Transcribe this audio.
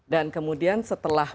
dan kemudian setelah